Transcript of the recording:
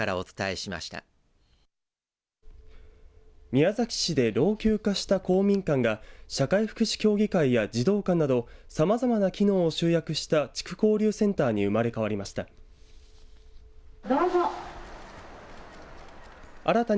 宮崎市で老朽化した公民館が社会福祉協議会や児童館などさまざまな機能を集約した地区交流センターに生まれ変わりました。